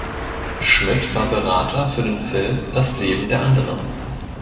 Schmidt war Berater für den Film "Das Leben der Anderen".